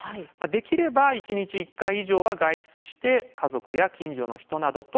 できれば１日１回以上は外出して家族や近所の人などと交流をする。